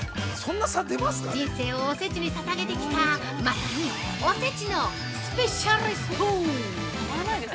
人生をおせちにささげてきたまさに、おせちのスペシャリスト。